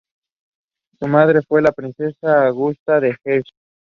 Su madre fue la Princesa Augusta de Hesse-Kassel.